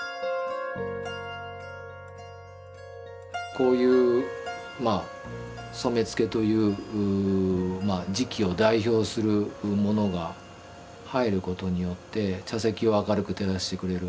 こういう染付という磁器を代表するものが入ることによって茶席を明るく照らしてくれる。